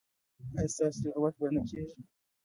ایا ستاسو تلاوت به نه کیږي؟